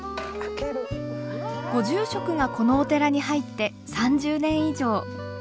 ご住職がこのお寺に入って３０年以上。